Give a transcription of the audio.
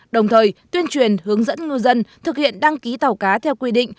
đồng thời tuyên truyền hướng dẫn ngư dân thực hiện đăng ký tàu cá theo quy định